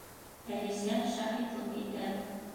ӘЛИСӘ ШАҺИТЛЫҠ ИТӘ